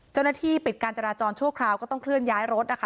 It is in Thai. เจ้าหน้าที่ปิดการจราจรชั่วคราวก็ต้องเคลื่อนย้ายรถนะคะ